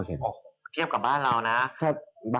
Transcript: เทียบกับบ้านเรานะ